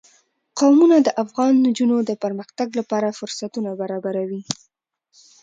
قومونه د افغان نجونو د پرمختګ لپاره فرصتونه برابروي.